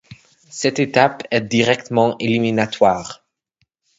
Cette étape est directement éliminatoire.